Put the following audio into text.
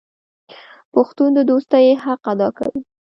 پښتون د دوستۍ حق ادا کوي.